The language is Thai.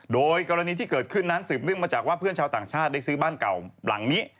โดยกรณีที่เกิดขึ้นนั้นสืบเนื่องมาจากว่าเพื่อนชาวต่างชาติได้ซื้อบ้านเก่าหลังนี้